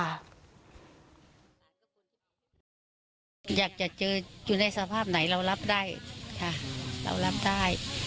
อยากจะเจออยู่ในสภาพไหนเรารับได้ค่ะเรารับได้